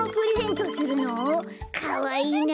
かわいいな。